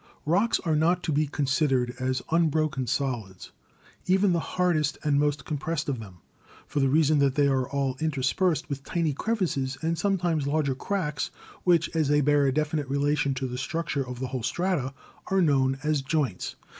Rocks are not to be considered as unbroken solids, even the hardest and most compressed of them, for the reason that they are all interspersed with tiny crevices and some times larger cracks, which, as they bear a definite rela tion to the structure of the whole strata, are known as joints.